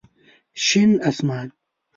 شين اسمان